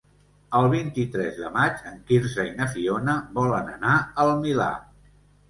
El vint-i-tres de maig en Quirze i na Fiona volen anar al Milà.